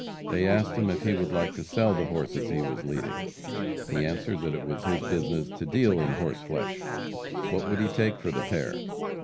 They asked him if he would like to sell the horses he was leading. He answered that it was his business to deal in horse flesh. What would he take for the pair?